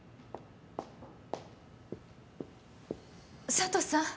佐都さん